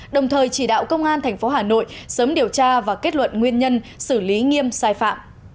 đồng thời chỉ đạo công an tp hà nội sớm điều tra và kết luận nguyên nhân xử lý nghiêm sai phạm